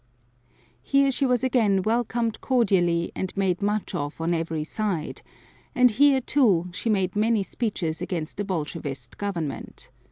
Here she was again welcomed cordially and made much of on every side, and here too she made many speeches against the Bolshevist government.